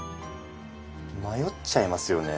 迷っちゃいますよね。